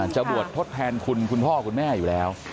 จะบวชทดแทนคุณคุณพ่อคุณแม่อยู่แล้ว